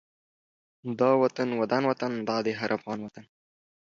دا وطن ودان وطن دا د هر افغان وطن